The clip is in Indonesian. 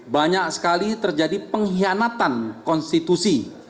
banyak sekali terjadi pengkhianatan konstitusi